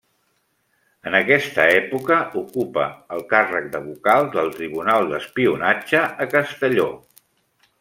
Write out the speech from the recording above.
En aquesta època ocupa el càrrec de vocal del Tribunal d'Espionatge a Castelló.